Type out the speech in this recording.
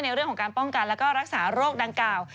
ในการป้องกันและรักษาโรคดางกล่าว